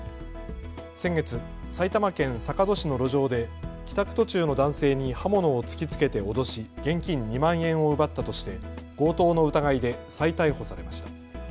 先月、埼玉県坂戸市の路上で帰宅途中の男性に刃物を突きつけて脅し現金２万円を奪ったとして強盗の疑いで再逮捕されました。